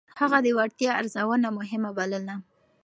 هغه د وړتيا ارزونه مهمه بلله.